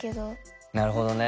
なるほどね。